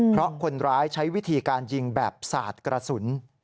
เพราะคนร้ายใช้วิธีการยิงแบบสาดกระสุน